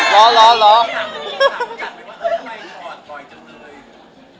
ร้อนร้อนร้อน